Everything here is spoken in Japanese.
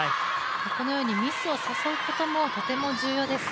このようにミスを誘うこともとても重要です。